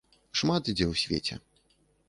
Шмат дзе ў свеце.